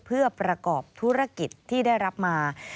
เพื่อประกอบธุรกิจที่ได้รับมา